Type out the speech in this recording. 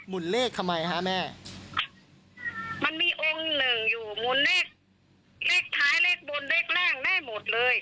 โมงองหนึ่งแล้วหมุนแรกท้ายแรกบนแรกแล้งได้หมดเลย